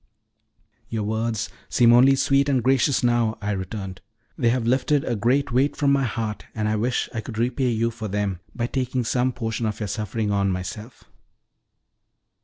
"Your words seem only sweet and gracious now," I returned. "They have lifted a great weight from my heart, and I wish I could repay you for them by taking some portion of your suffering on myself."